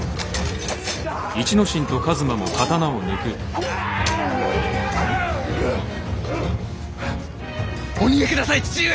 お逃げください父上！